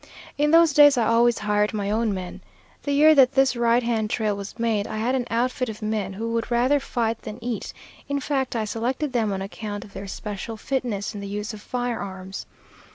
In those days I always hired my own men. The year that this right hand trail was made, I had an outfit of men who would rather fight than eat; in fact, I selected them on account of their special fitness in the use of firearms.